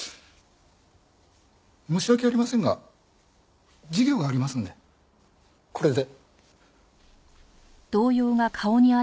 申し訳ありませんが授業がありますのでこれで。